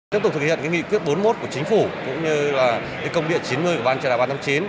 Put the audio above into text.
tiếp tục thực hiện nghị quyết bốn mươi một của chính phủ cũng như công điện chín mươi của ban chỉ đạo ban năm chín